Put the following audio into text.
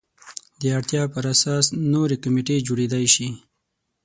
د اړتیا پر اساس نورې کمیټې جوړېدای شي.